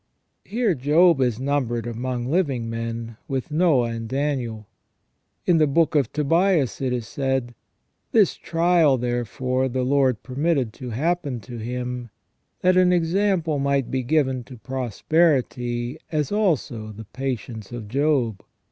Here Job is numbered among living men with Noe and Daniel. In the Book of Tobias it is said :" This trial, therefore, the Lord permitted to happen to him, that an example might be given to posterity, as also the patience of Job.